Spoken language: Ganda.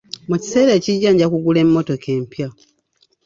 Mu kiseera ekijja nja kugula emmotoka empya.